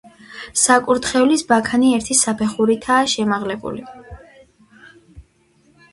საკურთხევლის ბაქანი ერთი საფეხურითაა შემაღლებული.